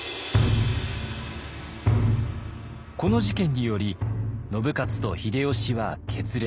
この事件により信雄と秀吉は決裂。